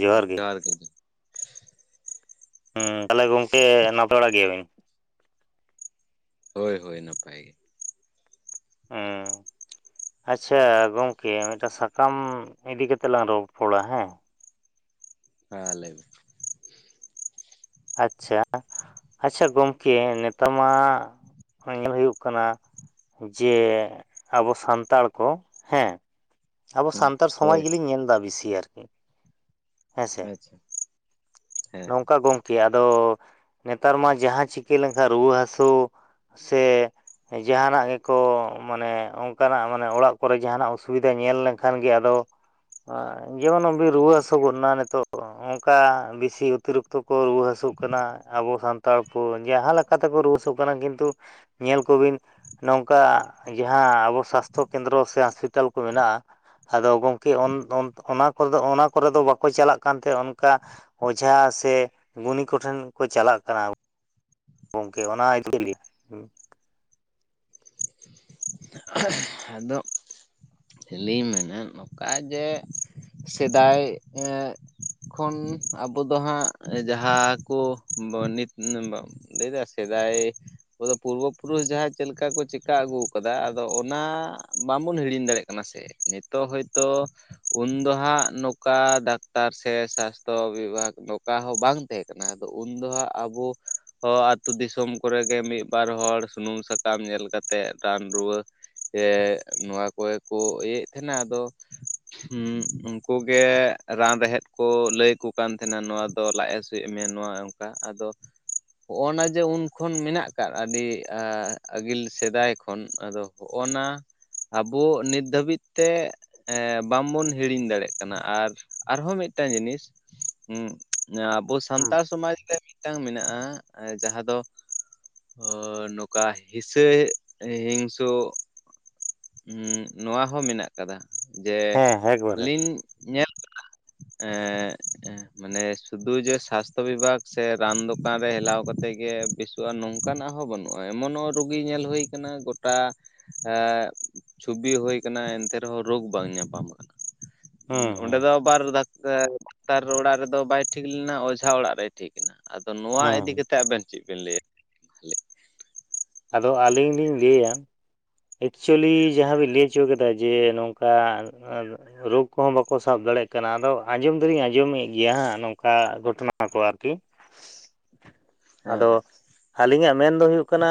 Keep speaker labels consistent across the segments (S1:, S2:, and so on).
S1: ᱡᱚᱦᱟᱨ ᱜᱮ, ᱛᱟᱞᱦᱮ ᱜᱚᱝᱠᱮ ᱱᱟᱯᱟᱭ ᱵᱟᱲᱟ ᱜᱮᱭᱟᱵᱤᱱ ᱾
S2: ᱦᱳᱭ ᱦᱳᱭ ᱱᱟᱯᱟᱭ ᱜᱮ ᱾
S1: ᱦᱩᱸ ᱟᱪᱪᱷᱟ ᱜᱚᱝᱠᱮ ᱥᱟᱠᱟᱢ ᱤᱫᱤ ᱠᱟᱛᱮ ᱞᱟᱝ ᱨᱚᱯᱚᱲᱟ ᱦᱮᱸ
S2: ᱦᱮᱸ ᱞᱟᱹᱭ ᱢᱮ?
S1: ᱟᱪᱪᱷᱟ ᱟᱪᱪᱷᱟ ᱜᱚᱢᱠᱮ ᱱᱮᱛᱟᱨ ᱢᱟ ᱧᱮᱞ ᱦᱩᱭᱩᱜ ᱠᱟᱱᱟ, ᱡᱮ ᱟᱵᱚ ᱥᱟᱱᱛᱟᱲ ᱠᱚ ᱦᱮᱸ ᱟᱵᱚ
S2: ᱦᱩᱸ
S1: ᱥᱟᱱᱛᱟᱲ ᱥᱚᱢᱟᱡᱽ
S2: ᱦᱳᱭ
S1: ᱜᱮᱞᱤᱧ ᱧᱮᱞ ᱫᱟ ᱵᱤᱥᱤ ᱟᱨᱠᱤ ᱦᱮᱸ ᱥᱮ
S2: ᱟᱪᱪᱷᱟ ᱦᱮᱸ
S1: ᱱᱚᱝᱠᱟ ᱜᱚᱢᱼᱼᱼ ᱠᱮ ᱟᱫᱚ ᱱᱮᱛᱟᱨ ᱢᱟ ᱡᱟᱦᱟᱸ ᱪᱤᱠᱟᱹ ᱞᱮᱱᱠᱷᱟᱱ ᱨᱩᱣᱟᱹ ᱦᱟᱹᱥᱩ, ᱥᱮ ᱡᱟᱦᱟᱱᱟᱜ ᱜᱮᱠᱚ ᱢᱟᱱᱮ ᱚᱱᱠᱟᱱᱟᱜ ᱢᱟᱱᱮ ᱚᱲᱟᱜ ᱠᱚᱨᱮ ᱡᱟᱦᱟᱱᱟᱜ ᱚᱥᱩᱵᱤᱼᱼᱼ ᱧᱮᱞ ᱞᱮᱱᱠᱷᱟᱱ ᱜᱮ ᱟᱫᱚ ᱡᱮᱢᱚᱱ ᱵᱤᱱ ᱨᱩᱣᱟᱹ ᱦᱟᱹᱥᱩ ᱜᱚᱜᱱᱟ ᱱᱤᱛᱚᱜ ᱛᱮ ᱚᱝᱠᱟ ᱵᱤᱥᱤ ᱚᱛᱤᱨᱤᱠᱛᱚ ᱠᱚ ᱨᱩᱣᱟᱹ ᱦᱟᱹᱥᱩᱜ ᱠᱟᱱᱟ ᱟᱵᱚ ᱥᱟᱱᱛᱟᱲ ᱠᱚ ᱡᱟᱦᱟᱸ ᱞᱮᱼᱼᱼ ᱛᱮᱠᱚ ᱨᱩᱣᱟ. ᱦᱟ. ᱥᱩᱜ ᱠᱟᱱᱟ ᱠᱤᱱᱛᱩ ᱧᱮᱞ ᱠᱚᱵᱤᱱ ᱱᱚᱝᱠᱟ ᱡᱟᱦᱟᱸ ᱟᱵᱚ ᱥᱟᱥᱛᱷᱚ ᱠᱮᱱᱫᱨᱚ ᱥᱮ ᱦᱟᱥᱯᱤᱴᱟᱞ ᱠᱚ ᱢᱮᱱᱟᱜᱼᱟ ᱟᱫᱚ ᱜᱚᱢᱠᱮ ᱚᱱ ᱚᱱᱟ ᱠᱚᱨᱮ ᱫᱚ ᱚᱱᱟ ᱠᱚᱨᱮ ᱫᱚ ᱵᱟᱠᱚ ᱪᱟᱞᱟᱜ ᱠᱟᱱ ᱛᱮ ᱚᱱᱠᱟ ᱚᱡᱷᱟ ᱥᱮ ᱜᱩᱱᱤ ᱠᱚᱴᱷᱮᱱ ᱜᱮᱠᱚ ᱪᱟᱞᱟᱜ ᱠᱟᱱᱟ ᱜᱚᱝᱠᱮ ᱚᱱᱟ [unintelligible]
S2: [unintelligible] ᱟᱫᱚ ᱟᱹᱞᱤᱧ ᱢᱮᱱᱟ ᱚᱠᱟ ᱡᱮ ᱥᱮᱫᱟᱭ ᱮᱸ ᱠᱷᱚᱱ ᱟᱵᱚ ᱫᱚ ᱦᱟᱸᱜ ᱡᱟᱦᱟᱸ ᱠᱚ ᱵᱟᱱᱤᱛ [unintelligible] ᱞᱟᱹᱭ ᱮᱫᱟᱭ ᱥᱮᱫᱟᱭ ᱩᱱᱠᱩ ᱫᱚ ᱯᱩᱨᱵᱚ ᱯᱩᱨᱩᱥ ᱡᱟᱦᱟᱸᱭ ᱪᱮᱫᱠᱟ ᱠᱚ ᱪᱤᱟᱹ ᱟᱹᱜᱩ ᱟᱠᱟᱫᱟ ᱟᱫᱚ ᱚᱱᱟ ᱵᱟᱵᱚᱱ ᱦᱤᱲᱤᱧ ᱫᱟᱲᱮᱭᱟᱜ ᱠᱟᱱᱟ ᱥᱮ ᱱᱤᱛᱚᱜ ᱦᱚᱭᱛᱳ ᱩᱱ ᱫᱚ ᱦᱟᱸᱜ ᱱᱟᱹᱼᱼ ᱚᱠᱟ ᱰᱟᱠᱛᱟᱨ ᱥᱮ ᱥᱟᱥᱛᱷᱚ ᱵᱤᱵᱷᱟᱜᱽ ᱱᱚᱝᱠᱟ ᱦᱚᱸ ᱵᱟᱝ ᱛᱟᱦᱮᱸ ᱠᱟᱱᱟ ᱩᱱ ᱫᱚ ᱦᱟᱸᱜ ᱟᱵᱚ ᱦᱚᱸ ᱟᱛᱳ ᱫᱤᱥᱚᱢ ᱠᱚᱨᱮᱜᱮ ᱢᱤᱫ ᱵᱟᱨ ᱦᱚᱲ ᱥᱩᱱᱩᱢ ᱥᱟᱠᱟᱢ ᱧᱮᱞ ᱠᱟᱛᱮᱜ ᱨᱟᱱ ᱨᱩᱣᱟᱹ ᱥᱮ ᱱᱚᱣᱟ ᱠᱚᱜᱮᱠᱚ ᱤᱭᱟᱹᱭᱮᱫ ᱛᱟᱦᱮᱸᱱᱟ ᱟᱫᱚ ᱦᱩᱸ ᱩᱱᱠᱩᱜᱮ ᱨᱟᱱ ᱨᱮᱦᱮᱫ ᱠᱚ ᱞᱟᱹᱭ ᱟᱠᱩ ᱠᱟᱱ ᱛᱟᱦᱮᱸᱱᱟ ᱱᱚᱣᱟ ᱫᱚ ᱞᱟᱡ ᱦᱟᱥᱩ ᱪᱮᱫ ᱮᱢ ᱢᱮᱱ ᱱᱚᱣᱟ ᱱᱚᱝᱠᱟ ᱟᱫᱚ ᱦᱚᱜᱱᱟ ᱡᱮ ᱩᱱ ᱠᱷᱚᱱ ᱢᱮᱱᱟᱜ ᱟᱠᱟᱫ ᱟᱹᱰᱤ ᱟᱹᱜᱤᱞ ᱥᱮᱫᱟᱭ ᱠᱷᱚᱱ ᱟᱫᱚ ᱦᱚᱜᱱᱟ ᱟᱵᱚ ᱱᱤᱛ ᱫᱷᱟᱹᱵᱤᱡ ᱛᱮ ᱦᱮᱸ ᱵᱟᱝᱵᱚ ᱦᱤᱲᱤᱧ ᱫᱟᱲᱮᱭᱟᱜ ᱠᱟᱱᱟ ᱟᱨ ᱟᱨᱦᱚᱸ ᱢᱤᱫᱴᱟᱝ ᱡᱤᱱᱤᱥ ᱦᱩᱸ ᱟᱵᱚ ᱥᱟᱱᱛᱟᱲ ᱥᱚᱢᱟᱡᱽ ᱨᱮ ᱢᱤᱫᱴᱟᱝ ᱢᱮᱱᱟᱜᱼᱟ ᱡᱟᱦᱟᱸ ᱫᱚ ᱱᱚᱝᱠᱟ ᱦᱤᱥᱟᱹᱭ ᱦᱤᱝᱥᱩ ᱱᱚᱣᱟ ᱦᱚᱸ ᱢᱮᱱᱟᱜ ᱟᱠᱟᱫᱟ ᱡᱮ
S1: ᱦᱮᱸ ᱮᱠᱵᱟᱨᱮ
S2: ᱟᱞᱤᱧ ᱧᱮᱞ ᱠᱟᱜᱼᱟ ᱮᱸ ᱢᱟᱱᱮ ᱥᱩᱫᱩ ᱡᱮ ᱥᱟᱥᱛᱷᱚ ᱵᱤᱵᱷᱟᱜᱽ ᱥᱮ ᱨᱟᱱ ᱫᱚᱠᱟᱱ ᱨᱮ ᱦᱮᱞᱟᱣ ᱠᱟᱛᱮᱜ ᱜᱮ ᱵᱮᱥᱚᱜᱼᱟ ᱾ ᱱᱚᱝᱠᱟᱱᱟᱜ ᱦᱚᱸ ᱵᱟᱹᱱᱩᱜᱼᱟ ᱮᱢᱚᱱᱚᱜ ᱨᱩᱜᱤ ᱧᱮᱞ ᱦᱩᱭᱩ ᱟᱠᱟᱱᱟ ᱜᱚᱴᱟ ᱮ ᱪᱷᱚᱵᱤ ᱦᱳᱭ ᱟᱠᱟᱱᱟ ᱮᱱᱛᱮ ᱨᱮᱦᱚᱸ ᱨᱳᱜᱽ ᱵᱟᱝ ᱧᱟᱯᱟᱢ ᱟᱠᱟᱱᱟ
S1: ᱦᱩᱸ
S2: ᱾ ᱚᱸᱰᱮ
S1: ᱦᱩᱸ
S2: ᱫᱚ ᱟᱵᱟᱨ ᱫᱟᱠᱛᱟᱨ ᱱᱮᱛᱟᱨ ᱚᱲᱟᱜ ᱨᱮᱫᱚ ᱵᱟᱭ ᱴᱷᱤᱠ ᱞᱮᱱᱟ ᱚᱡᱷᱟ ᱚᱲᱟᱜ ᱨᱮᱭ ᱴᱷᱤᱠ ᱮᱱᱟ ᱟᱫᱚ ᱱᱚᱣᱟ ᱤᱫᱤ
S1: ᱦᱩᱸ
S2: ᱠᱟᱛᱮ ᱟᱵᱮᱱ ᱪᱮᱫ ᱵᱮᱱ ᱞᱟᱹᱭᱟ
S1: ᱟᱫᱚ ᱟᱹᱞᱤᱧ ᱞᱤᱧ ᱞᱟᱹᱭᱟ ᱮᱠᱪᱩᱭᱮᱞᱤ ᱡᱟᱦᱟᱸ ᱵᱤᱱ ᱞᱟᱹᱭ ᱚᱪᱚ ᱟᱠᱟᱫᱟ ᱡᱮ ᱱᱚᱝᱠᱟ ᱨᱳᱜᱽ ᱠᱚᱦᱚᱸ ᱵᱟᱠᱚ ᱥᱟᱵ ᱫᱟᱲᱮᱭᱟᱜ ᱠᱟᱱᱟ ᱟᱫᱚ ᱟᱸᱡᱚᱢ ᱫᱚᱞᱤᱧ ᱟᱸᱡᱚᱢᱮᱫ ᱜᱮᱭᱟ ᱦᱟᱸᱜ ᱱᱚᱝᱠᱟ ᱜᱷᱚᱴᱚᱱᱟ ᱠᱚ ᱟᱨᱠᱤ
S2: [unintelligible]
S1: ᱟᱫᱚ
S2: ᱛᱟᱦᱚᱞᱮ
S1: ᱟᱹᱞᱤᱧᱟᱜ ᱢᱮᱱ ᱫᱚ ᱦᱚᱭᱳᱜ ᱠᱟᱱᱟ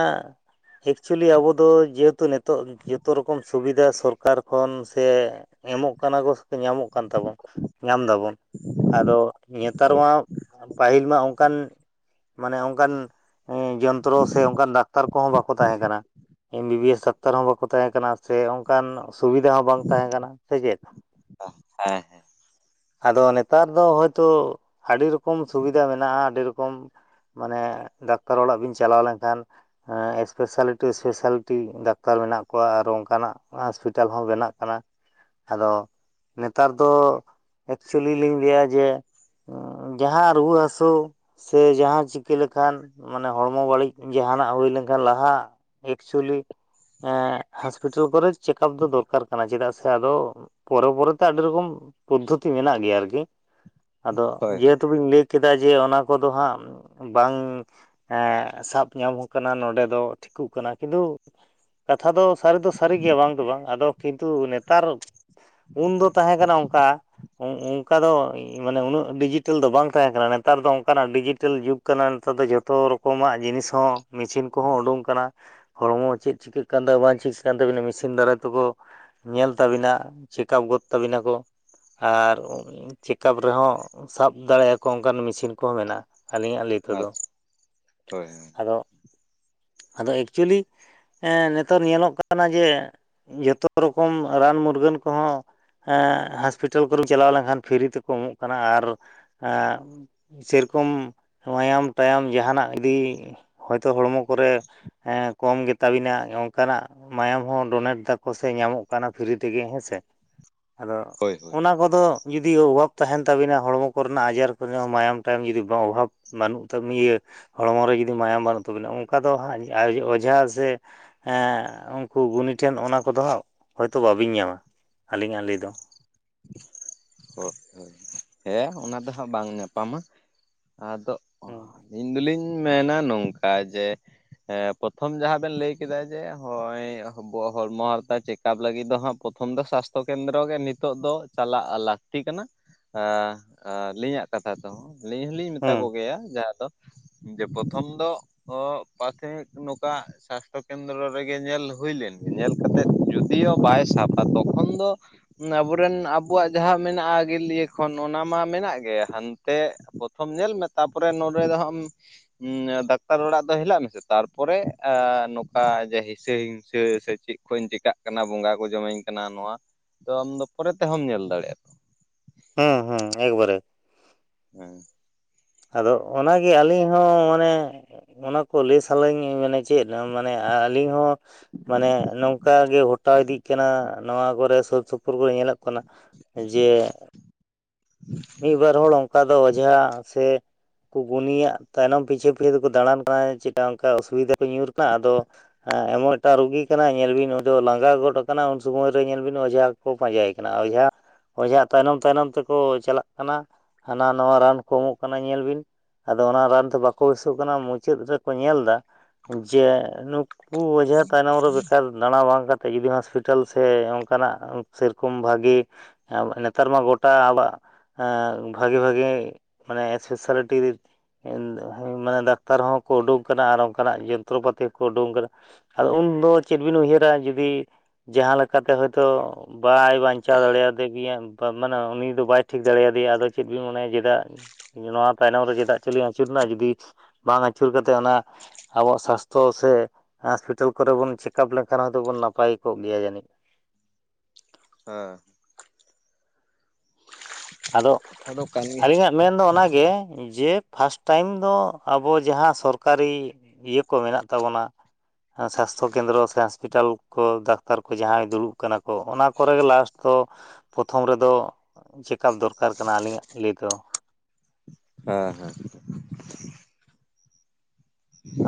S1: ᱮᱠᱪᱩᱭᱮᱞᱤ ᱟᱵᱚ ᱫᱚ ᱡᱟᱹᱛ ᱛᱚ ᱱᱤᱛᱚᱜ ᱡᱚᱛᱚ ᱨᱚᱠᱚᱢ ᱥᱩᱵᱤᱫᱷᱟ ᱥᱚᱨᱠᱟᱨ ᱠᱷᱚᱱ ᱥᱮ ᱮᱢᱚᱜ ᱠᱟᱱᱟ ᱠᱚ ᱾ ᱧᱟᱢᱚᱜ ᱠᱟᱱ ᱛᱟᱵᱚᱱ ᱧᱟᱢ ᱫᱟᱵᱚᱱ᱾ ᱟᱫᱚ ᱱᱮᱛᱟᱨ ᱢᱟ ᱯᱟᱹᱦᱤᱞ ᱢᱟ ᱚᱱᱠᱟᱱ ᱢᱟᱱᱮ ᱚᱱᱠᱟᱱ ᱡᱚᱱᱛᱨᱚ ᱥᱮ ᱚᱱᱠᱟᱱ ᱫᱟᱠᱛᱟᱨ ᱠᱚᱦᱚᱸ ᱵᱟᱠᱚ ᱛᱟᱦᱮᱸ ᱠᱟᱱᱟ ᱮᱢ ᱵᱤ-ᱵᱤ ᱮᱥ ᱫᱟᱠ ᱫᱟᱠᱛᱟᱨ ᱦᱚᱸ ᱵᱟᱠᱚ ᱛᱟᱦᱮᱸ ᱠᱟᱱᱟ ᱥᱮ ᱚᱱᱠᱟᱱ ᱥᱩᱵᱤᱫᱟ ᱦᱚᱸ ᱵᱟᱝ ᱛᱟᱦᱮᱸ ᱠᱟᱱᱟ ᱥᱮ ᱪᱮᱫ᱾
S2: ᱦᱮᱸ ᱦᱮᱸ᱾
S1: ᱟᱫᱚ ᱱᱮᱛᱟᱨ ᱫᱚ ᱦᱳᱭᱛᱳ ᱟᱰᱤ ᱨᱚᱠᱚᱢ ᱥᱩᱵᱤᱫᱷᱟ ᱢᱮᱱᱟᱜᱼᱟ, ᱟᱰᱤ ᱨᱚᱠᱚᱢ ᱢᱟᱱᱮ ᱰᱟᱠᱛᱟᱨ ᱚᱲᱟᱜ ᱵᱤᱱ ᱪᱟᱞᱟᱣ ᱞᱮᱱᱠᱷᱟᱱ ᱦᱮ ᱮᱥᱯᱮᱥᱟᱞᱤᱴᱤ ᱮᱥᱯᱮᱥᱟᱞᱤᱴᱤ ᱰᱟᱠᱛᱟᱨ ᱢᱮᱱᱟᱜ ᱠᱚᱣᱟ, ᱟᱨ ᱚᱱᱠᱟᱱᱟᱜ ᱦᱚᱥᱯᱤᱴᱟᱞ ᱦᱚᱸ ᱵᱮᱱᱟᱜ ᱠᱟᱱᱟ, ᱟᱫᱚ ᱱᱮᱛᱟᱨ ᱫᱚ ᱮᱠᱪᱩᱭᱩᱞᱤ ᱞᱤᱧ ᱞᱟᱹᱭᱟ ᱡᱮ ᱡᱟᱦᱟᱸ ᱨᱩᱣᱟᱹ ᱦᱟᱹᱥᱳ ᱥᱮ ᱡᱟᱦᱟ ᱪᱤᱠᱟᱹ ᱞᱮᱠᱷᱟᱱ ᱢᱟᱱᱮ ᱦᱚᱲᱢᱚ ᱵᱟᱹᱲᱤᱡ ᱡᱟᱦᱟᱱᱟᱜ ᱦᱩᱭ ᱞᱮᱠᱷᱟᱱ ᱞᱟᱦᱟ ᱮᱠᱪᱩᱭᱮᱞᱤ ᱮ ᱦᱟᱸᱥᱯᱤᱴᱟᱞ ᱠᱚᱨᱮ ᱪᱮᱠᱟᱯ ᱫᱚ ᱫᱚᱨᱠᱟᱨ ᱠᱟᱱᱟ, ᱪᱮᱫᱟᱜ ᱥᱮ ᱟᱫᱚ ᱯᱚᱨᱮ ᱯᱚᱨᱮᱛᱮ ᱟᱹᱰᱤ ᱨᱚᱠᱚᱢ ᱯᱚᱫᱽᱫᱷᱚᱛᱤ ᱢᱮᱱᱟᱜ ᱜᱮᱭᱟ ᱟᱨᱠᱤ ᱟᱫᱚ
S2: ᱦᱳᱭ ᱦᱮᱸ
S1: ᱡᱮᱦᱮᱛᱩ ᱵᱤᱱ ᱞᱟᱹᱭ ᱠᱮᱫᱟ ᱡᱮ ᱚᱱᱟ ᱠᱚᱫᱚ ᱦᱟᱸᱜ ᱵᱟᱝ ᱮᱸ ᱥᱟᱵ ᱧᱟᱢ ᱟᱠᱟᱱᱟ ᱱᱚᱰᱮ ᱫᱚ ᱴᱷᱤᱠᱚᱜ ᱠᱟᱱᱟ ᱠᱤᱱᱛᱩ ᱠᱟᱛᱷᱟ ᱫᱚ ᱥᱟᱹᱨᱤ ᱫᱚ ᱥᱟᱹᱨᱤ ᱜᱮᱭᱟ ᱵᱟᱝ ᱫᱚ ᱵᱟᱝ ᱟᱫᱚ ᱠᱤᱱᱛᱩ ᱱᱮᱛᱟᱨ ᱩᱱ ᱫᱚ ᱛᱟᱦᱮᱸ ᱠᱟᱱᱟ ᱚᱱᱠᱟ ᱚᱝ ᱚᱝ ᱚᱱᱠᱟ ᱫᱚ ᱢᱟᱱᱮ ᱩᱱᱟᱹᱜ ᱰᱤᱡᱤᱴᱮᱞ ᱫᱚ ᱵᱟᱝ ᱛᱟᱦᱮᱸ ᱠᱟᱱᱟ ᱱᱮᱛᱟᱨ ᱫᱚ ᱚᱱᱠᱟᱱᱟᱜ ᱰᱤᱡᱤᱴᱮᱞ ᱡᱩᱜᱽ ᱠᱟᱱᱟ ᱱᱮᱛᱟᱨ ᱫᱚ ᱡᱷᱚᱛᱚ ᱨᱚᱠᱚᱢᱟᱜ ᱡᱤᱱᱤᱥ ᱦᱚᱸ ᱢᱮᱥᱤᱱ ᱠᱚᱦᱚᱸ ᱩᱰᱩᱝ ᱟᱠᱟᱱᱟ ᱾ ᱦᱚᱲᱢᱚ ᱪᱮᱫ ᱪᱤᱠᱟᱹᱜ ᱠᱟᱱ ᱛᱟᱢᱟ ᱵᱟᱝ ᱪᱤᱠᱟ. ᱠᱟᱱ ᱛᱟᱵᱤᱱᱟ ᱢᱮᱥᱤᱱ ᱫᱟᱨᱟᱭ ᱛᱮᱠᱚ ᱧᱮᱞ ᱛᱟᱵᱤᱱᱟ ᱪᱮᱠᱟᱯ ᱜᱚᱫ ᱛᱟᱹᱵᱤᱱᱟ ᱠᱚ᱾ ᱟᱨ ᱪᱮᱠᱟᱯ ᱨᱮᱦᱚᱸ ᱥᱟᱵ ᱫᱟᱲᱮᱭᱟᱠᱚ ᱚᱱᱠᱟᱱ ᱢᱮᱥᱤᱱ ᱠᱚᱦᱚᱸ ᱢᱮᱱᱟᱜᱼᱟ ᱟᱹᱞᱤᱧᱟᱜ ᱞᱟᱹᱭ
S2: ᱦᱮᱸ ᱦᱳᱭ ᱦᱳᱭ
S1: ᱛᱮᱫᱚ,
S2: ᱟᱪᱪᱷᱟ ᱦᱳᱭ
S1: ᱟᱫᱚ ᱟᱫᱚ ᱮᱠᱪᱩᱭᱮᱞᱤ ᱦᱮᱸ ᱱᱮᱛᱟᱨ ᱧᱮᱞᱚᱜ ᱠᱟᱱᱟ ᱡᱮ ᱡᱚᱛᱚ ᱨᱚᱠᱚᱢ ᱨᱟᱱ ᱢᱩᱨᱜᱟᱹᱱ ᱠᱚᱦᱚᱸ ᱦᱟᱥᱯᱤᱴ ᱯᱤᱴᱟᱞ ᱠᱚᱨᱮᱢ ᱪᱟᱞᱟᱣ ᱞᱮᱱᱠᱷᱟᱱ ᱯᱷᱤᱨᱤ ᱛᱮᱠᱚ ᱮᱢᱚᱜ ᱠᱟᱱᱟ, ᱟᱨ ᱥᱮᱨᱚᱠᱚᱢ ᱢᱟᱭᱟᱢ ᱴᱟᱭᱟᱢ ᱡᱟᱦᱟᱱᱟᱜ ᱜᱤ ᱦᱚᱭᱛᱚ ᱦᱚᱲᱢᱚ ᱠᱚᱨᱮ ᱮ ᱠᱚᱢ ᱜᱮᱛᱟ ᱵᱤᱱᱟ ᱱᱟᱝᱠᱟᱱᱟᱜ ᱢᱟᱭᱟᱢ ᱦᱚᱸ ᱰᱳᱱᱮᱴ ᱫᱟᱠᱚ ᱥᱮ ᱧᱟᱢᱚᱜ ᱠᱟᱱᱟ ᱯᱷᱨᱤ ᱛᱮᱜᱮ ᱦᱮᱸ ᱥᱮ, ᱟᱫᱚ
S2: ᱦᱳᱭ ᱦᱳᱭ ᱦᱳᱭ
S1: ᱚᱱᱟ ᱠᱚᱫᱚ ᱡᱩᱫᱤᱳ ᱚᱵᱷᱟᱵ ᱛᱟᱦᱮᱱ ᱛᱟᱵᱤᱱᱟ ᱦᱚᱲᱢᱚ ᱠᱚᱨᱮᱱᱟᱜ ᱟᱡᱟᱨ ᱠᱚᱨᱮ ᱢᱟᱭᱟᱢ ᱴᱟᱭᱟᱢ ᱡᱩᱫᱤ ᱵᱟᱝ ᱚᱵᱷᱟᱵ ᱵᱟᱹᱱᱩᱜ ᱛᱟᱵᱤ ᱤᱭᱟᱹ ᱦᱚᱲᱢᱚ ᱨᱮ ᱡᱩᱫᱤ ᱢᱟᱭᱟᱢ ᱵᱟᱹᱱᱩᱜ ᱛᱟᱵᱤᱱᱟ ᱚᱱᱠᱟ ᱫᱚ ᱦᱟᱸᱜ ᱚᱡᱷᱟ ᱥᱮ ᱩᱱᱠᱩ ᱜᱩᱱᱤ ᱴᱷᱮᱱ ᱚᱱᱟ ᱠᱚᱫᱚ ᱦᱟᱸᱜ ᱦᱳᱭᱛᱳ ᱵᱟᱹᱵᱤᱱ ᱧᱟᱢᱟ ᱟᱹᱞᱤᱧᱟᱜ ᱞᱟᱹᱭ ᱫᱚ ᱾
S2: ᱦᱳᱭ ᱦᱳᱭ ᱦᱮᱸ ᱚᱱᱟ ᱫᱚ ᱦᱟᱸᱜ ᱧᱟᱯᱟᱢᱟ ᱾ ᱟᱫᱚ
S1: ᱦᱩᱸ
S2: ᱟᱹᱞᱤᱧ ᱫᱚᱞᱤᱧ ᱢᱮᱱᱟ ᱱᱚᱝᱠᱟ ᱡᱮ ᱯᱨᱚᱛᱷᱚᱢ ᱡᱟᱦᱟᱸ ᱵᱮᱱ ᱞᱟᱹᱭ ᱠᱮᱫᱟ ᱡᱮ ᱦᱚᱭ ᱵᱚ ᱦᱚᱲᱢᱚ ᱦᱟᱨᱛᱟ ᱪᱮ ᱠᱟᱯ ᱞᱟᱜᱤᱫ ᱫᱚ ᱦᱟᱸ ᱯᱨᱚᱛᱚᱢ ᱫᱚ ᱥᱟᱥᱛᱚ ᱠᱮᱱᱫᱨᱚ ᱜᱮ, ᱱᱤᱛ ᱱᱤᱛᱚᱜ ᱫᱚ ᱪᱟᱞᱟᱜ ᱞᱟᱹᱠᱛᱤ ᱠᱟᱱᱟ ᱟᱻ ᱟᱻ ᱟᱞᱤᱧᱟᱜ ᱠᱟᱛᱷᱟ ᱫᱚ ᱟᱹᱞᱤᱧ ᱦᱚᱞᱤᱧ ᱢᱮᱛᱟ
S1: ᱦᱩᱸ
S2: ᱠᱚᱜᱮᱭᱟ ᱡᱟᱦᱟᱸ ᱫᱚ ᱡᱮ ᱯᱨᱚᱛᱷᱚᱢ ᱫᱚ ᱚ ᱯᱨᱟᱛᱷᱚᱢᱤᱠ ᱱᱚᱝᱠᱟ ᱥᱟᱥᱛᱷᱚ ᱠᱮᱱᱫᱨᱚ ᱨᱮᱜᱮ ᱧᱮᱞ ᱦᱩᱭ ᱞᱮᱱ ᱜᱮ, ᱧᱮᱞ ᱠᱟᱛᱮᱜ ᱡᱚᱫᱤᱭᱳ ᱵᱟᱭ ᱥᱟᱵᱟ ᱛᱚᱠᱷᱚᱱ ᱫᱚ ᱟᱵᱚᱨᱮᱱ ᱟᱵᱚᱣᱟᱜ ᱡᱟᱦᱟᱸ ᱢᱮᱱᱟᱜᱼᱟ ᱟᱜᱤᱞ ᱤᱭᱟᱹ ᱠᱷᱚᱱ ᱚᱱᱟ ᱢᱟ ᱢᱮᱱᱟᱜ ᱜᱮ ᱦᱟᱱ ᱛᱮ ᱯᱨᱚᱛᱷᱚᱢ ᱧᱮᱞ ᱢᱮ ᱛᱟᱨᱯᱚᱨᱮ ᱱᱚᱰᱮ ᱫᱚ ᱦᱟᱸᱜ ᱰᱟᱠᱛᱟᱨ ᱚᱲᱟᱜ ᱫᱚ ᱦᱮᱞᱟᱜ ᱢᱮᱥᱮ ᱛᱟᱨᱯᱚᱨᱮ ᱱᱚᱝᱠᱟᱮ ᱦᱤᱥᱟᱹ ᱦᱤᱝᱥᱟᱹ ᱥᱮ ᱪᱮᱫ ᱠᱷᱚᱧ ᱪᱤᱠᱟᱜ ᱠᱟᱱᱟ ᱵᱚᱸᱜᱟ ᱠᱚ ᱡᱚᱢᱟᱹᱧ ᱠᱟᱱᱟ ᱱᱚᱣᱟ ᱛᱚ ᱟᱢ ᱫᱚ ᱯᱚᱨᱮ ᱛᱮᱦᱚᱢ ᱧᱮᱞ ᱫᱟᱲᱮᱭᱟᱜᱼᱟ, ᱛᱚ
S1: ᱦᱮᱸ ᱦᱮᱸ ᱮᱠᱵᱟᱨᱮ
S2: ᱦᱮᱸ,
S1: ᱟᱫᱚ ᱚᱱᱟ ᱜᱮ ᱟᱹᱞᱤᱧ ᱦᱚᱸ ᱢᱟᱱᱮ ᱚᱱᱟ ᱠᱚ ᱞᱟᱹᱭ ᱥᱟᱱᱟᱧ ᱢᱟᱱᱮ ᱪᱮᱫ ᱢᱟᱱᱮ ᱟᱹᱞᱤᱧ ᱦᱚᱸ ᱢᱟᱱᱮ ᱱᱚᱝᱠᱟ ᱜᱮ ᱜᱷᱚᱴᱟᱣ ᱤᱫᱤᱜ ᱠᱟᱱᱟ ᱱᱚᱣᱟ ᱠᱚᱨᱮ ᱥᱳᱨ ᱥᱳᱯᱳᱨ ᱯᱳᱨ ᱠᱚᱨᱮ ᱧᱮᱞᱚᱜ ᱠᱟᱱᱟ ᱡᱮ ᱢᱤᱫ ᱵᱟᱨ ᱦᱚᱲ ᱚᱝᱠᱟ ᱫᱚ ᱚᱡᱷᱟ ᱥᱮ ᱩᱱᱠᱩ ᱜᱩᱱᱤᱭᱟᱜ ᱛᱟᱭᱱᱚᱢ ᱯᱤᱪᱷᱟᱹ ᱯᱤᱪᱷᱟᱹ ᱛᱮ ᱠᱚ ᱫᱟᱬᱟᱱ ᱠᱟᱱᱟ ᱪᱤᱠᱟ ᱚᱝᱠᱟ ᱚᱥᱩᱵᱤᱫᱟ ᱠᱚ ᱧᱩᱨ ᱠᱟᱱᱟ ᱟᱫᱚ ᱦᱮᱸ ᱮᱢᱚᱱ ᱮᱴᱟᱜ ᱨᱩᱜᱤ ᱠᱟᱱᱟᱭ ᱧᱮᱞ ᱵᱤᱱ ᱩᱱᱤ ᱫᱚ ᱞᱟᱸᱜᱟ ᱜᱚᱫ ᱟᱠᱟᱱᱟ ᱩᱱ ᱥᱩᱢᱟᱹᱭ ᱨᱮ ᱧᱮᱞ ᱵᱤᱱ ᱚᱡᱷᱟ ᱠᱚ ᱯᱟᱸᱡᱟᱭ ᱠᱟᱱᱟ ᱚᱡᱷᱟ ᱚᱡᱷᱟᱜ ᱛᱟᱭᱱᱚᱢ ᱛᱟᱭᱱᱚᱢ ᱛᱮᱠᱚ ᱪᱟᱞᱟᱜ ᱦᱟᱱᱟ ᱱᱚᱣᱟ ᱨᱟᱱ ᱠᱚ ᱮᱢᱚᱜ ᱠᱟᱱᱟ ᱧᱮᱞ ᱵᱤᱱ ᱾ ᱟᱫᱚ ᱚᱱᱟ ᱨᱟᱱ ᱫᱚ ᱵᱟᱠᱚ ᱵᱮᱥᱚᱜ ᱠᱟᱱᱟ, ᱢᱩᱪᱟᱹᱫ ᱨᱮ ᱠᱚ ᱧᱮᱞ ᱮᱫᱟ ᱡᱮ ᱱᱩᱠᱩ ᱚᱡᱷᱟ ᱛᱟᱭᱱᱚᱢ ᱨᱮ ᱵᱮᱠᱟᱨ ᱫᱟᱬᱟ ᱵᱟᱝ ᱠᱟᱛᱮ ᱡᱩᱫᱤ ᱦᱳᱥᱯᱤᱴᱟᱞ ᱥᱮ ᱚᱝᱠᱟᱱᱟᱜ ᱥᱮᱨᱚᱠᱚᱢ ᱵᱷᱟᱜᱮ ᱱᱮᱛᱟᱨ ᱢᱟ ᱜᱚᱴᱟ ᱟᱵᱟᱜ ᱵᱷᱟᱜᱮ ᱵᱷᱟᱜᱮ ᱢᱟᱱᱮ ᱮᱥᱯᱮᱥᱟᱞᱤᱴᱤ ᱢᱟᱱᱮ ᱰᱟᱠᱛᱟᱨ ᱦᱚᱸᱠᱚ ᱩᱰᱩᱝ ᱠᱟᱱᱟ ᱟᱨ ᱚᱝᱠᱟᱱᱟᱜ ᱡᱚᱱᱛᱨᱚᱯᱟᱹᱛᱤ ᱦᱚᱸ ᱠᱚ ᱩᱰᱩᱝ ᱠᱟᱫᱟ ᱾ ᱟᱫᱚ ᱩᱱ ᱫᱚ ᱪᱮᱫ ᱵᱤᱱ ᱩᱭᱦᱟᱹᱨᱟ ᱡᱩᱫᱤ ᱡᱟᱦᱟᱸ ᱞᱮᱠᱟᱛᱮ ᱦᱳᱭᱛᱳ ᱵᱟᱭ ᱵᱟᱸᱧᱪᱟᱣ ᱫᱟᱲᱮᱭᱟᱫᱮ ᱜᱮᱭᱟ ᱢᱟᱱᱮ ᱩᱱᱤ ᱫᱚ ᱵᱟᱭ ᱴᱷᱤᱠ ᱫᱟᱲᱮᱭᱟᱫᱮᱭᱟ ᱟᱫᱚ ᱪᱮᱫ ᱵᱤᱱ ᱢᱚᱱᱮᱭᱟ ᱪᱮᱫᱟᱜ ᱱᱚᱣᱟ ᱛᱟᱭᱱᱚᱢ ᱨᱮ ᱪᱮᱫᱟᱜ ᱪᱩᱞᱤᱧ ᱟᱹᱪᱩᱨᱱᱟ ᱡᱩᱫᱤ ᱵᱟᱝ ᱟᱹᱪᱩᱨ ᱠᱟᱛᱮ ᱚᱱᱟ ᱟᱵᱚᱣᱟᱜ ᱥᱟᱥᱛᱷᱚ ᱥᱮ ᱦᱟᱥᱯᱤᱴᱟᱞ ᱠᱚᱨᱮ ᱵᱚᱱ ᱪᱮᱠᱟᱯ ᱞᱮᱱ ᱠᱷᱟᱱ ᱦᱚᱭ ᱛᱚ ᱵᱚᱱ ᱱᱟᱯᱟᱭ ᱠᱚᱜ ᱜᱮᱭᱟ ᱡᱟᱹᱱᱤᱡ
S2: ᱦᱮᱸ,
S1: ᱟᱫᱚ, ᱟᱹᱞᱤᱧᱟᱜ ᱢᱮᱱ ᱫᱚ ᱚᱱᱟᱜᱮ ᱡᱮ ᱯᱷᱟᱥᱴ ᱴᱟᱭᱤᱢ ᱫᱚ ᱟᱵᱚ ᱡᱟᱦᱟᱸ ᱥᱚᱨᱠᱟᱨᱤ ᱤᱭᱟᱹ ᱠᱚ ᱢᱮᱱᱟᱜ ᱛᱟᱵᱚᱱᱟ ᱾ ᱥᱟᱥᱛᱷᱚ ᱠᱮᱱᱫᱨᱚ ᱥᱮ ᱦᱚᱥᱯᱤᱴᱟᱞ ᱠᱚ ᱰᱟᱠᱛᱟᱨ ᱠᱚ ᱡᱟᱦᱟᱸᱭ ᱠᱚ ᱫᱩᱲᱩᱵ ᱠᱟᱱᱟ ᱠᱚ ᱚᱱᱟ ᱠᱚᱨᱮ ᱜᱮ ᱞᱟᱥᱴ ᱫᱚ, ᱯᱨᱚᱛᱷᱚᱢ ᱨᱮ ᱫᱚ ᱪᱮᱠᱟᱯ ᱫᱚᱨᱠᱟᱨ ᱠᱟᱱᱟ ᱟᱹᱞᱤᱧᱟᱜ ᱞᱟᱹᱭ ᱫᱚ ᱾
S2: ᱦᱮᱸ ᱦᱮᱸ,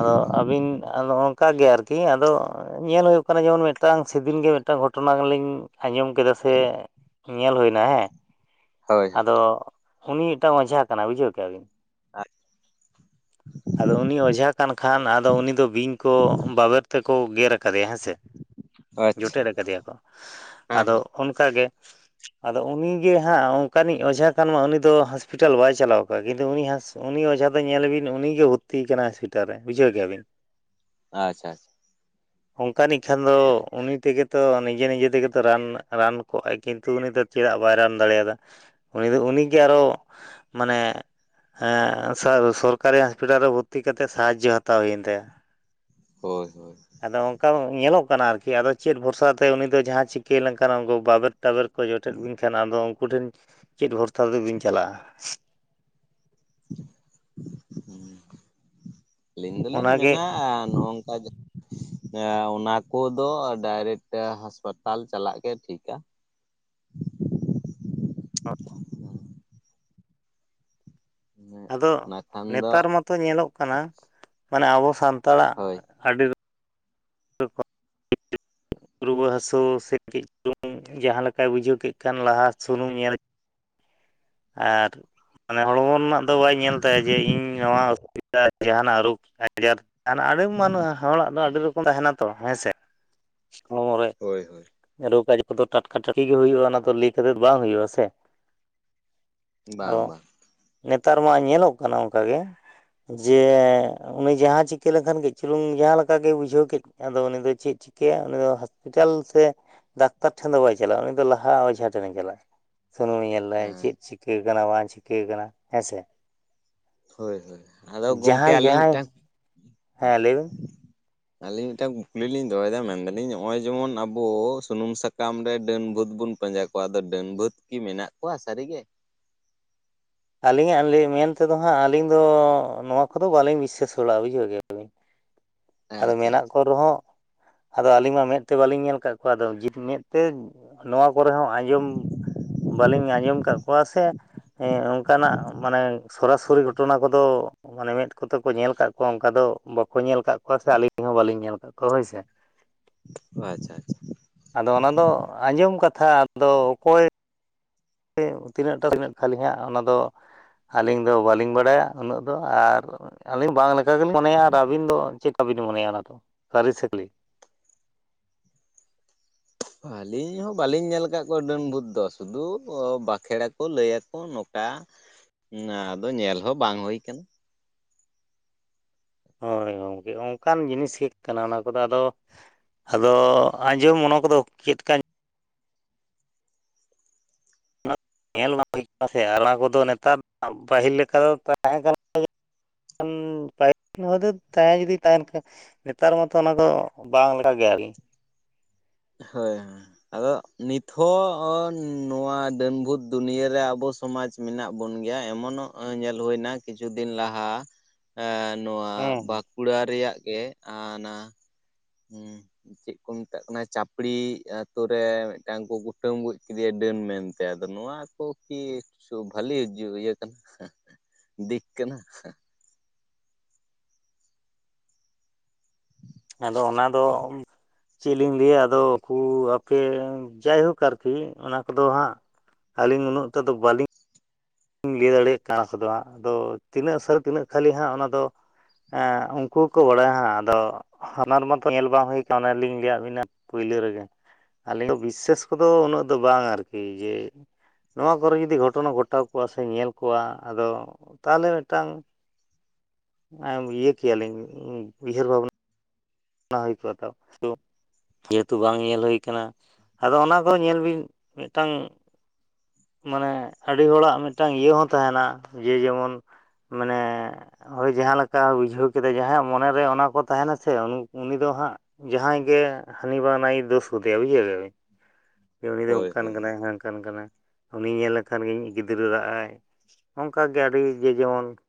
S1: ᱟᱫᱚ ᱟᱹᱵᱤᱱ ᱟᱫᱚ ᱚᱝᱠᱟᱜᱮ ᱟᱨᱠᱤ ᱟᱫᱚ ᱧᱮᱞ ᱦᱳᱭᱳᱜ ᱠᱟᱱᱟ ᱡᱮᱢᱚᱱ ᱢᱤᱫᱴᱟᱝ ᱥᱮᱫᱤᱱ ᱜᱮ ᱢᱤᱫᱴᱟᱱ ᱜᱷᱚᱴᱚᱱᱟ ᱜᱤᱞᱤᱧ ᱟᱸᱡᱚᱢ ᱠᱮᱫᱟ ᱥᱮ ᱧᱮᱞ ᱦᱳᱭᱱᱟ ᱦᱮᱸ
S2: ᱦᱳᱭ ᱦᱳᱭ
S1: ᱟᱫᱚ ᱩᱱᱤ ᱢᱤᱫᱴᱟᱝ ᱚᱡᱷᱟ ᱠᱟᱱᱟᱭ ᱵᱩᱡᱷᱟᱹᱣ ᱠᱮᱭᱟ ᱵᱤᱱ
S2: [unintelligible]
S1: ᱟᱫᱚ ᱩᱱᱤ ᱚᱡᱷᱟ ᱠᱟᱱ ᱠᱷᱟᱱ ᱟᱫᱚ ᱩᱱᱤ ᱫᱚ ᱵᱤᱧ ᱠᱚ ᱵᱟᱵᱮᱨ ᱛᱮ ᱠᱚ ᱜᱮᱨ ᱠᱟᱫᱮᱭᱟ ᱦᱮᱸᱥᱮ ᱡᱚᱴᱮᱫ ᱟᱠᱟᱫᱮᱭᱟ ᱠᱚ
S2: ᱦᱮᱸ
S1: ᱟᱫᱚ
S2: ᱦᱮᱸ
S1: ᱚᱱᱠᱟᱜᱮ ᱟᱫᱚ ᱩᱱᱤᱜᱮ ᱦᱟᱸᱜ ᱚᱱᱠᱟᱱᱤᱡ ᱚᱡᱷᱟ ᱠᱷᱟᱱ ᱢᱟ ᱩᱱᱤ ᱫᱚ ᱦᱚᱥᱯᱤᱴᱟᱞ ᱵᱟᱭ ᱪᱟᱞᱟᱣ ᱠᱚᱜᱼᱟ ᱠᱤᱱᱛᱩ ᱩᱱᱤ ᱦᱟᱸᱥ ᱩᱱᱤ ᱚᱡᱷᱟ ᱫᱚ ᱧᱮᱞᱮ ᱵᱤᱱ ᱩᱱᱤ ᱜᱮ ᱵᱷᱚᱨᱛᱤ ᱠᱟᱱᱟ ᱦᱚᱥᱯᱤᱴᱟᱞ ᱨᱮ ᱵᱩᱡᱷᱟᱹᱣ ᱠᱮᱫ-ᱟ ᱵᱤᱱ
S2: ᱟᱪᱪᱷᱟ ᱟᱪᱷᱟ,
S1: ᱚᱝᱠᱟᱱᱤᱡ ᱠᱷᱟᱱ ᱫᱚ ᱩᱱᱤ ᱛᱮ ᱜᱮ ᱛᱚ ᱱᱤᱡᱮ ᱱᱤᱡᱮ ᱛᱮ ᱜᱮ ᱛᱚ ᱨᱟᱱ ᱨᱟᱱ ᱠᱚᱜᱼᱟᱭ ᱛᱚ ᱠᱤᱱᱛᱩ ᱩᱱᱤ ᱫᱚ ᱪᱮᱫᱟᱜ ᱵᱟᱭ ᱨᱟᱱ ᱫᱟᱲᱮᱭᱟᱫᱟ? ᱩᱱᱤ ᱫᱚ ᱩᱱᱤ ᱜᱮ ᱟᱨᱚ ᱥᱚᱨᱠᱟᱨᱤ ᱦᱟᱸᱥ ᱦᱚᱥᱯᱤᱴᱟᱞ ᱨᱮ ᱵᱷᱚᱨᱛᱤ ᱠᱟᱛᱮ ᱥᱟᱦᱟᱡᱳ ᱦᱟᱛᱟᱣ ᱦᱳᱭᱮᱱ ᱛᱟᱭᱟ᱾
S2: ᱦᱳᱭ ᱦᱳᱭ,
S1: ᱟᱫᱚ ᱚᱝᱠᱟ ᱧᱮᱞᱚᱜ ᱠᱟᱱᱟ ᱟᱨᱠᱤ ᱟᱫᱚ ᱪᱮᱫ ᱵᱷᱚᱨᱥᱟ ᱛᱮ ᱩᱱᱤ ᱫᱚ ᱡᱟᱦᱟᱸ ᱪᱤᱠᱟᱹ ᱞᱮᱱᱠᱷᱟᱱ ᱩᱱᱠᱩ ᱵᱟᱵᱮᱨ ᱴᱟᱵᱮᱨ ᱠᱚ ᱡᱚᱴᱮᱫ ᱵᱤᱱ ᱠᱷᱟᱱ ᱟᱫᱚ ᱩᱱᱠᱩ ᱴᱷᱮᱱ ᱪᱮᱫ ᱵᱷᱚᱨᱥᱟ ᱛᱮᱵᱤᱱ ᱪᱟᱞᱟᱜᱼᱟ᱾
S2: ᱟᱹᱞᱤᱧ ᱫᱚᱞᱤᱧ
S1: ᱚᱱᱟᱜᱮ
S2: ᱢᱮᱱᱟ ᱱᱚᱜᱝᱠᱟ ᱚᱱᱟ ᱠᱚᱫᱚ ᱰᱟᱭᱨᱮᱠᱴ ᱦᱟᱥᱯᱟᱛᱟᱞ ᱪᱟᱞᱟᱜ ᱜᱮ ᱴᱷᱤᱠᱟ᱾
S1: [unintelligible] ᱟᱫᱚ
S2: ᱚᱱᱟ ᱠᱷᱟᱱ ᱫᱚ
S1: ᱱᱮᱛᱟᱨ ᱢᱟᱛᱚ ᱧᱮᱞᱚᱜ ᱠᱟᱱᱟ ᱢᱟᱱᱮ ᱟᱵᱚ ᱥᱟᱱᱛᱟᱲᱟᱜ
S2: ᱦᱳᱭ
S1: ᱟᱹᱰᱤ ᱨᱚᱠᱚᱢ
S2: [unintelligible]
S1: ᱨᱩᱣᱟᱹ ᱦᱟᱹᱥᱩ ᱥᱮ ᱠᱟᱹᱡ ᱪᱩᱞᱩᱝ ᱡᱟᱦᱟᱸ ᱞᱮᱠᱟᱭ ᱵᱩᱡᱷᱟᱹᱣ ᱠᱮᱫ ᱠᱷᱟᱱ ᱞᱟᱦᱟ ᱥᱩᱱᱩᱢ ᱧᱮᱞ ᱟᱨ ᱢᱟᱱᱮ ᱦᱚᱲᱢᱚ ᱨᱮᱱᱟᱜ ᱫᱚ ᱵᱟᱭ ᱧᱮᱞ ᱛᱟᱭᱟ ᱡᱮ ᱤᱧ ᱱᱚᱣᱟ ᱚᱥᱩᱵᱤᱫᱟ᱾ ᱡᱟᱦᱟᱱᱟᱜ ᱨᱳᱜᱽ ᱟᱡᱟᱨ ᱡᱟᱦᱟᱱᱟᱜ ᱟᱹᱰᱤ ᱢᱟᱱ ᱦᱚᱲᱟᱜ ᱫᱚ ᱟᱹᱰᱤ ᱨᱚᱠᱚᱢ ᱛᱟᱦᱮᱱᱟ ᱛᱚ ᱦᱮᱸ ᱥᱮ?
S2: ᱦᱳᱭ ᱦᱳᱭ᱾
S1: ᱨᱳᱜ ᱟᱡᱟᱨ ᱠᱚᱫᱚ ᱴᱟᱴᱠᱟ ᱴᱟᱴᱠᱤ ᱜᱮ ᱦᱩᱭᱩᱜᱼᱟ ᱚᱱᱟ ᱫᱚ ᱞᱟᱹᱭ ᱠᱟᱛᱮᱫ ᱵᱟᱝ ᱦᱩᱭᱩᱜᱼᱟ ᱥᱮ᱾
S2: ᱵᱟᱝ
S1: ᱟᱫᱚ
S2: ᱵᱟᱝ
S1: ᱱᱮᱛᱟᱨ ᱢᱟ ᱧᱮᱞᱚᱜ ᱠᱟᱱᱟ ᱚᱱᱠᱟ ᱜᱮ ᱡᱮ ᱩᱱᱤ ᱡᱟᱦᱟᱸ ᱪᱤᱠᱟᱹ ᱞᱮᱱᱠᱷᱟᱱ ᱜᱮ ᱪᱩᱞᱩᱝ ᱡᱟᱦᱟᱸ ᱞᱮᱠᱟᱜᱮᱭ ᱵᱩᱡᱷᱟᱹᱣ ᱠᱮᱫ ᱟᱫᱚ ᱩᱱᱤ ᱫᱚ ᱪᱮᱫ ᱪᱤᱠᱟᱹᱭᱟ ᱩᱱᱤ ᱫᱚ ᱯᱤᱴᱟᱞ ᱥᱮ ᱫᱟᱠᱛᱟᱨ ᱴᱷᱮᱱ ᱫᱚ ᱵᱟᱭ ᱪᱟᱞᱟᱜᱼᱟ ᱩᱱᱤ ᱫᱚ ᱞᱟᱦᱟ ᱚᱡᱷᱟ ᱴᱷᱮᱱᱮ ᱪᱟᱞᱟᱜᱼᱟ ᱥᱩᱱᱩᱢ ᱧᱮᱞ᱾ ᱱᱟᱭ
S2: ᱦᱮᱸ
S1: ᱪᱮᱫ ᱪᱤᱠᱟᱹᱣ ᱠᱟᱱᱟ ᱵᱟᱝ ᱪᱤᱠᱟᱹᱣ ᱠᱟᱱᱟ ᱦᱮᱸᱥᱮ᱾
S2: ᱦᱳᱭ ᱦᱳᱭ ᱟᱫᱚ ᱜᱚᱝᱠᱮ
S1: ᱡᱟᱦᱟᱸᱭ
S2: ᱟᱹᱞᱤᱧ
S1: ᱡᱟᱦᱟᱸᱭ
S2: ᱢᱤᱫᱴᱟᱝ
S1: ᱦᱮᱸ ᱞᱟᱹᱭ ᱵᱤᱱ
S2: ᱟᱹᱞᱤᱧ ᱢᱤᱫᱴᱟᱝ ᱠᱩᱠᱞᱤ ᱞᱤᱧ ᱫᱚᱦᱚᱭᱫᱟ ᱢᱮᱱᱫᱟᱞᱤᱧ ᱱᱚᱜᱼᱚᱭ ᱡᱮᱢᱚᱱ ᱟᱵᱚ ᱥᱩᱱᱩᱢ ᱥᱟᱠᱟᱢ ᱨᱮ ᱰᱟᱹᱱ ᱵᱷᱩᱛ ᱵᱚᱱ ᱯᱟᱸᱡᱟ ᱠᱚᱣᱟ ᱟᱫᱚ ᱰᱟᱹᱱ ᱵᱷᱩᱛ ᱠᱤ ᱢᱮᱱᱟᱜ ᱠᱚᱣᱟ ᱥᱟᱨᱤᱜᱮ?
S1: ᱟᱹᱞᱤᱧᱟᱜ ᱞᱟᱹᱭ ᱢᱮᱱ ᱛᱮᱫᱚ ᱦᱟᱸᱜ ᱟᱹᱞᱤᱧ ᱫᱚ ᱱᱚᱣᱟ ᱠᱚᱫᱚ ᱵᱟᱹᱞᱤᱧ ᱵᱤᱥᱥᱟᱹᱥ ᱵᱟᱲᱟᱣᱼᱟ ᱵᱩᱡᱷᱟᱹᱣ ᱠᱮᱭᱟ ᱵᱤᱱ᱾ ᱟᱫᱚ
S2: ᱟᱪᱪᱷᱟ
S1: ᱢᱮᱱᱟᱜ
S2: ᱟᱪᱪᱷᱟ
S1: ᱠᱚ ᱨᱮᱦᱚᱸ ᱟᱫᱚ ᱟᱹᱞᱤᱧ ᱢᱟ ᱢᱮᱫ ᱛᱮ ᱵᱟᱹᱞᱤᱧ ᱧᱮᱞ ᱠᱟᱜ ᱠᱚᱣᱟ ᱟᱫᱚ ᱡᱩ ᱢᱮᱫ ᱛᱮ ᱱᱚᱣᱟ ᱠᱚᱨᱮ ᱦᱚᱸ ᱟᱸᱡᱚᱢ ᱵᱟᱹᱞᱤᱧ ᱟᱸᱡᱚᱢ ᱠᱟᱜ ᱠᱚᱣᱟ ᱥᱮ ᱦᱮᱸ ᱚᱝᱠᱟᱱᱟᱜ ᱢᱟᱱᱮ ᱥᱚᱨᱟᱥᱚᱨᱤ ᱜᱷᱚᱴᱚᱱᱟ ᱠᱚᱫᱚ ᱢᱟᱱᱮ ᱢᱮᱸᱫ ᱠᱚᱛᱮ ᱠᱚ ᱧᱮᱞ ᱠᱟᱜ ᱠᱚᱣᱟ ᱚᱱᱠᱟ ᱫᱚ ᱵᱟᱠᱚ ᱧᱮᱞ ᱠᱟᱜ ᱠᱚᱣᱟ ᱥᱮ ᱟᱹᱞᱤᱧ ᱦᱚᱸ ᱵᱟᱹᱞᱤᱧ ᱧᱮᱞ ᱠᱟᱜ ᱠᱚᱣᱟ ᱦᱳᱭᱥᱮ᱾
S2: ᱟᱪᱪᱷᱟ ᱟᱪᱪᱷᱟ,
S1: ᱟᱫᱚ ᱚᱱᱟ ᱫᱚ ᱟᱸᱡᱚᱢ ᱠᱟᱛᱷᱟ ᱟᱫᱚ ᱚᱠᱚᱭ ᱛᱤᱱᱟᱹᱜ ᱴᱟ ᱛᱤᱱᱟᱹᱜ ᱠᱷᱟᱞᱤ ᱦᱟᱸᱜ ᱚᱱᱟᱫᱚ ᱟᱹᱞᱤᱧ ᱫᱚ ᱵᱟᱹᱞᱤᱧ ᱵᱟᱲᱟᱭᱟ ᱩᱱᱟᱹᱜ ᱫᱚ ᱟᱨ ᱟᱹᱞᱤᱧ ᱵᱟᱝ ᱞᱮᱠᱟ ᱜᱮᱞᱤᱧ ᱢᱚᱱᱮᱭᱟ ᱟᱨ ᱟᱹᱵᱤᱱ ᱫᱚ ᱪᱮᱫᱠᱟ ᱵᱤᱱ ᱢᱚᱱᱮᱭᱟ ᱚᱱᱟ ᱫᱚ ᱥᱟᱨᱤ ᱥᱮ ᱠᱷᱟᱞᱤ?
S2: ᱟᱹᱞᱤᱧ ᱦᱚᱸ ᱵᱟᱹᱞᱤᱧ ᱧᱮᱞ ᱠᱟᱜ ᱠᱚᱣᱟ ᱰᱟᱹᱱ ᱵᱷᱩᱛ ᱫᱚ ᱥᱩᱫᱷᱩ ᱵᱟᱸᱠᱷᱮᱬᱟᱠᱚ ᱞᱟᱹᱭ ᱭᱟᱠᱚ ᱱᱚᱠᱟ᱾ ᱟᱫᱚ ᱧᱮᱞ ᱦᱚᱸ ᱵᱟᱝ ᱦᱩᱭ ᱠᱟᱱᱟ᱾
S1: ᱦᱳᱭ ᱜᱚᱝᱠᱮ ᱚᱱᱠᱟᱱ ᱡᱤᱱᱤᱥ ᱜᱮ ᱠᱟᱱᱟ ᱚᱱᱟ ᱠᱚᱫᱚ ᱟᱫᱚ ᱟᱫᱚ ᱟᱸᱡᱚᱢ ᱚᱱᱟ ᱠᱚᱫᱚ ᱪᱮᱫ ᱠᱟᱱ ᱧᱮᱞ ᱵᱟᱝ ᱦᱩᱭ ᱠᱟᱱᱟ ᱥᱮ ᱟᱨ ᱚᱱᱟ ᱠᱚᱫᱚ ᱱᱮᱛᱟᱨ ᱯᱟᱹᱦᱤᱞ ᱞᱮᱠᱟ ᱫᱚ ᱛᱟᱦᱮᱸ ᱠᱟᱱᱟ ᱯᱟᱦᱤᱞ ᱡᱩᱫᱤ ᱛᱟᱦᱮᱸ ᱡᱩᱫᱤ ᱛᱟᱦᱮᱱ ᱠᱷᱟᱱ ᱱᱮᱛᱟᱨ ᱢᱟᱛᱚ ᱚᱱᱟ ᱫᱚ ᱵᱟᱝ ᱞᱮᱠᱟ ᱜᱮ ᱟᱨᱠᱤ᱾
S2: ᱦᱳᱭ᱾ ᱟᱫᱚ ᱱᱤᱛ ᱦᱚᱸ ᱱᱚᱣᱟ ᱰᱟᱹᱱ ᱵᱷᱩᱛ ᱫᱩᱱᱤᱭᱟᱹ ᱨᱮ ᱟᱵᱚ ᱥᱚᱢᱟᱡᱽ ᱢᱮᱱᱟᱜ ᱵᱚᱱ ᱜᱮᱭᱟ ᱮᱢᱚᱱᱚᱜ ᱧᱮᱞ ᱦᱩᱭᱱᱟ ᱠᱤᱪᱷᱩ ᱫᱤᱱ ᱞᱟᱦᱟ, ᱮ ᱱᱚᱣᱟ
S1: ᱦᱮᱸ
S2: ᱵᱟᱸᱠ ᱠᱩᱲᱟ ᱨᱮᱭᱟᱜ ᱜᱮ ᱟ ᱱᱟ ᱪᱮᱫ ᱠᱚ ᱢᱮᱛᱟᱜ ᱠᱟᱱᱟ? ᱪᱟᱯᱲᱤ ᱟᱛᱳ ᱨᱮ ᱢᱤᱫᱴᱟᱝ ᱠᱚ ᱠᱩᱴᱟᱹᱢ ᱜᱚᱡ ᱠᱮᱫᱮᱭᱟ ᱰᱟᱹᱱ ᱢᱮᱱᱛᱮ ᱟᱫᱚ ᱱᱚᱣᱟ ᱠᱚ ᱠᱤ ᱥᱚ ᱵᱷᱟᱞᱤ ᱤᱭᱟᱹ ᱠᱟᱱᱟ, ᱫᱤᱠ ᱠᱟᱱᱟ?
S1: ᱟᱫᱚ ᱚᱱᱟ ᱫᱚ ᱪᱮᱫ ᱞᱤᱧ ᱞᱟᱹᱭᱟ ᱟᱫᱚ ᱠᱩ ᱟᱯᱮ ᱡᱟᱭᱦᱳᱠ ᱟᱨᱠᱤ ᱚᱱᱟ ᱠᱚᱫᱚ ᱦᱟᱸᱜ ᱟᱹᱞᱤᱧ ᱩᱱᱟᱹᱜ ᱴᱟ ᱫᱚ ᱵᱟᱹᱞᱤᱧ ᱞᱟᱹᱭ ᱫᱟᱲᱮᱭᱟᱜ [inaudible] ᱠᱚᱫᱚ ᱦᱟᱸᱜ ᱟᱫᱚ ᱛᱤᱱᱟᱹᱜ ᱥᱟᱹᱨᱤ ᱛᱤᱱᱟᱹᱜ ᱠᱷᱟᱹᱞᱤ ᱦᱟᱸᱜ ᱚᱱᱟᱫᱚ ᱮᱸ ᱩᱱᱠᱩ ᱜᱮᱠᱚ ᱵᱟᱲᱟᱭᱟ ᱦᱟᱸᱜ ᱟᱫᱚ ᱦᱟᱱᱟᱨ ᱢᱚᱛᱚ ᱧᱮᱞ ᱵᱟᱝ ᱦᱩᱭ ᱠᱟᱱᱟ ᱚᱱᱮ ᱞᱤᱧ ᱞᱟᱹᱭᱟᱜ ᱵᱤᱱᱟ ᱯᱩᱭᱞᱟᱹ ᱨᱮᱜᱮ᱾ ᱟᱹᱞᱤᱧ ᱫᱚ ᱵᱤᱥᱥᱟ. ᱥ ᱠᱚᱫᱚ ᱩᱱᱟᱹᱜ ᱫᱚ ᱵᱟᱝ ᱟᱨᱠᱤ ᱡᱮ ᱱᱚᱣᱟ ᱠᱚᱨᱮ ᱡᱩᱫᱤ ᱜᱷᱚᱴᱚᱱᱟ ᱜᱷᱚᱴᱟᱣ ᱠᱚᱣᱟ ᱥᱮ ᱧᱮᱞ ᱠᱚᱣᱟ ᱟᱫᱚ ᱛᱟᱦᱚᱞᱮ ᱢᱤᱫᱴᱟᱝ ᱮᱸ ᱤᱭᱟᱹ ᱠᱮᱭᱟᱞᱤᱧ ᱩᱭᱦᱟᱹᱨ ᱵᱷᱟᱵᱱᱟ ᱱᱟ ᱦᱩᱭ ᱠᱚᱜ-ᱟ ᱛᱚ [inaudible] ᱡᱮᱦᱮᱛᱩ ᱵᱟᱝ ᱧᱮᱞ ᱦᱩᱭ ᱠᱟᱱᱟ ᱟᱫᱚ ᱚᱱᱟ ᱠᱚᱫᱚ ᱧᱮᱞ ᱵᱤᱱ ᱢᱤᱫᱴᱟᱝ ᱢᱟᱱᱮ ᱟᱹᱰᱤ ᱦᱚᱲᱟᱜ ᱢᱤᱫᱴᱟᱝ ᱤᱭᱟᱹ ᱦᱚᱸ ᱛᱟᱦᱮᱱᱟ ᱡᱮ ᱡᱮᱢᱚᱱ ᱢᱟᱱᱮ ᱦᱳᱭ ᱡᱟᱦᱟᱸ ᱞᱮᱠᱟ ᱵᱩᱡᱷᱟᱹᱣ ᱠᱮᱫᱟ ᱡᱟᱦᱟᱸᱭᱟᱜ ᱢᱚᱱᱮᱨᱮ ᱚᱱᱟ ᱠᱚ ᱛᱟᱦᱮᱱᱟ ᱥᱮ ᱩ ᱩᱱᱤ ᱫᱚ ᱦᱟᱸᱜ ᱡᱟᱦᱟᱸᱭ ᱜᱮ ᱦᱟᱹᱱᱤ ᱵᱟᱝ ᱱᱟᱹᱭᱮ ᱫᱳᱥ ᱜᱚᱫᱮᱭᱟ ᱵᱩᱡᱷᱟᱹᱣ ᱠᱮᱫᱟᱵᱤᱱ᱾ ᱡᱮ ᱩᱱᱤ ᱫᱚᱭ
S2: ᱦᱳᱭ
S1: ᱚᱱᱠᱟᱱ
S2: ᱦᱳᱭ᱾
S1: ᱠᱟᱱᱟᱭ ᱦᱟᱝ ᱠᱟᱱ ᱠᱟᱱᱟᱭ᱾ ᱩᱱᱤ ᱧᱮᱞ ᱞᱮᱠᱷᱟᱱ ᱜᱮ ᱤᱧᱤᱡ ᱜᱤᱫᱽᱨᱟᱹ ᱨᱟᱜ-ᱟᱭ ᱚᱱᱠᱟᱜᱮ ᱟᱹᱰᱤ ᱡᱮ ᱡᱮᱢᱚᱱ